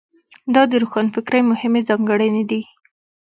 دا د روښانفکرۍ مهمې ځانګړنې دي.